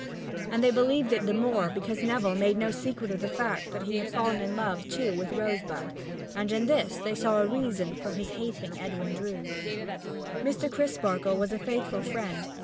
And they believed it the more because Neville made no secret of the fact that he had fallen in love, too, with Rosebud, and in this they thought they saw a reason for his hating Edwin Drood. Mr. Crisparkle was a faithful friend.